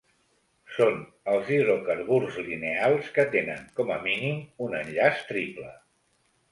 Són els hidrocarburs lineals que tenen, com a mínim un enllaç triple.